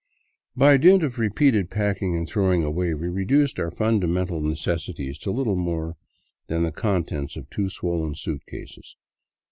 By dint of repeated packing and throwing away, we reduced our fundamental necessities to little more than the contents of two swollen suitcases.